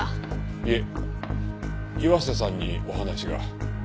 いえ岩瀬さんにお話が。